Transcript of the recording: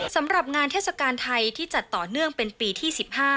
สำหรับงานเทศกาลไทยที่จัดต่อเนื่องเป็นปีที่๑๕